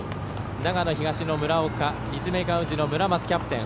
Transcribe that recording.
長野東の村岡立命館宇治の村松キャプテン。